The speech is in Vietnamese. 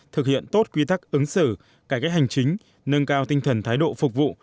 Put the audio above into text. thực hiện tốt quy tắc ứng xử cải cách hành chính nâng cao tinh thần thái độ phục vụ